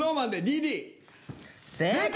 正解！